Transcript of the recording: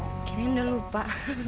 akhirnya udah lupa